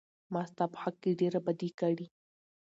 ما ستا په حق کې ډېره بدي کړى.